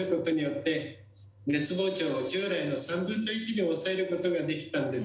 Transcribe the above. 熱膨張を従来の３分の１に抑えることができたんです。